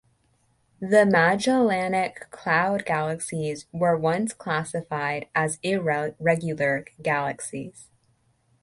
The Magellanic Cloud galaxies were once classified as irregular galaxies.